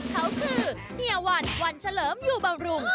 เขาคือเฮียวันวันเฉลิมอยู่บำรุง